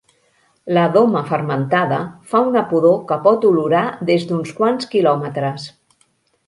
La doma fermentada fa una pudor que pot olorar des d'uns quants quilòmetres.